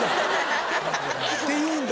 って言うんだ。